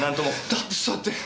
だってそうやって。